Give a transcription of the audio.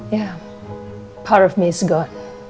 ya kekuatan saya adalah tuhan